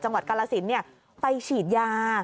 จังหวัดกร้าสินไปฉีดยา